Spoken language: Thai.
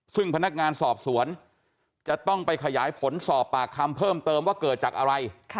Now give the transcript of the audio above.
ซึ่งพนักงานสอบสวนจะต้องไปขยายผลสอบปากคำเพิ่มเติมว่าเกิดจากอะไร